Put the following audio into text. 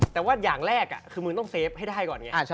แต่ว่าอย่างแรกคือมึงต้องเฟฟให้ได้ก่อนไง